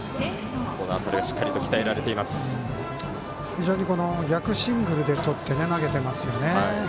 非常に逆シングルでとって投げていますよね。